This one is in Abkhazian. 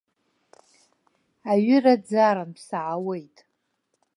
Аҩыраӡарантә саауеит.